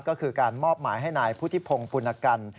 ก็คือการมอบหมายให้นายพุทธิพงศ์ปุณกัน